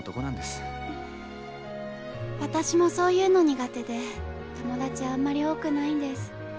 私もそういうの苦手で友達あんまり多くないんです。